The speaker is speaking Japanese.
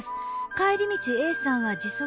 帰り道Ａさんは時速」